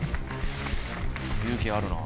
勇気あるなぁ。